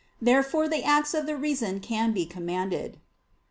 Therefore the acts of the reason can be commanded.